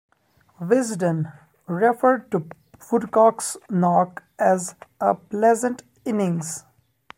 "Wisden" referred to Woodcock's knock as a "pleasant innings".